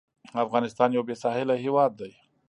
افغانستان یو بېساحله هېواد دی.